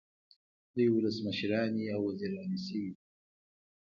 دوی ولسمشرانې او وزیرانې شوې دي.